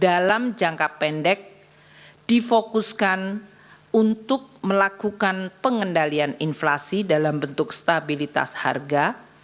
dalam jangka pendek difokuskan untuk melakukan pengendalian inflasi dalam bentuk stabilitas harga